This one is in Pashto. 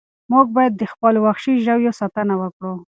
موږ باید د خپلو وحشي ژویو ساتنه وکړو.